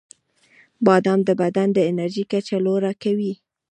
• بادام د بدن د انرژۍ کچه لوړه کوي.